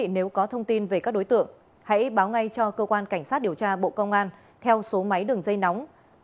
nếu có thông tin về các đối tượng hãy báo ngay cho cơ quan cảnh sát điều tra bộ công an theo số máy đường dây nóng sáu mươi chín hai trăm ba mươi bốn năm nghìn tám trăm sáu mươi